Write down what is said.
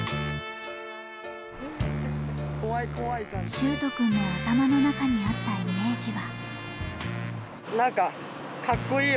秀斗くんの頭の中にあったイメージは。